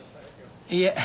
いいえ。